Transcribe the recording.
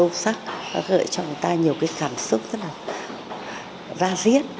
nó rất là sâu sắc nó gợi cho người ta nhiều cái cảm xúc rất là ra riết